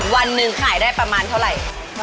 วันหนึ่งขายได้ประมาณเท่าไหร่